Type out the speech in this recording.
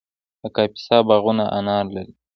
د کاپیسا باغونه انار لري.